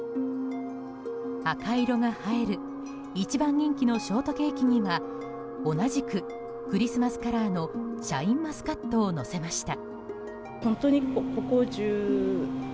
赤色が映える一番人気のショートケーキには同じくクリスマスカラーのシャインマスカットをのせました。